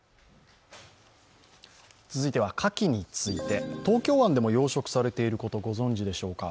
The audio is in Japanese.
続いては、かきについて東京湾でも養殖されていること、ご存じでしょうか。